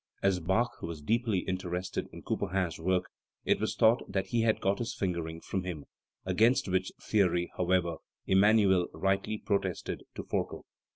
As Bach was deeply interested in Couperin's work, it was thought that he had got his fingering from him, against which theory, however, Emmanuel rightly protested to Forkel.